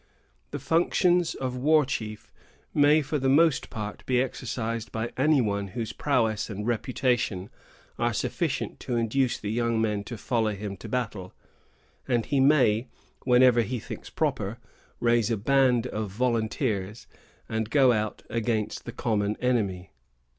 The functions of war chief may, for the most part, be exercised by any one whose prowess and reputation are sufficient to induce the young men to follow him to battle; and he may, whenever he thinks proper, raise a band of volunteers, and go out against the common enemy.